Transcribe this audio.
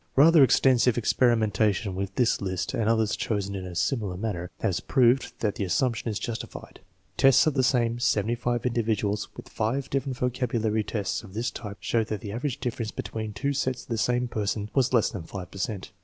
Rather extensive experimentation with this list and others chosen in a similar manner has proved that the assumption is justified. Tests of the same 75 individuals with five different vocabulary tests of this type showed that the average difference between two tests of the same person was less than 5 per cent.